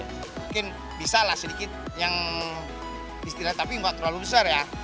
mungkin bisa lah sedikit yang istilahnya tapi nggak terlalu besar ya